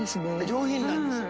上品なんですよ。